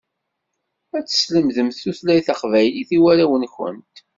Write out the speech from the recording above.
Ad teslemdemt tutlayt taqbaylit i warraw-nkent.